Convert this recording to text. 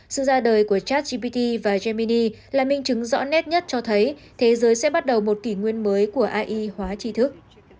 sự ra đời của chatgpt và jammini là minh chứng rõ nét nhất cho thấy thế giới sẽ bắt đầu một kỷ nguyên mới của ai hóa trí thức